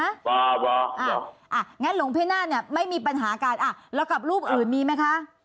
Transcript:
อ่ะงั้นหลวงพี่หน้าเนี่ยไม่มีปัญหากันอ่ะแล้วกับรูปอื่นมีไหมคะ